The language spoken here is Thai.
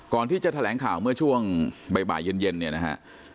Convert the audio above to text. ก่อนที่จะแถลงข่าวเมื่อช่วงบ่ายเย็นเนี่ยนะฮะ